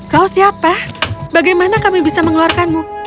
kau siapa bagaimana kami bisa mengeluarkanmu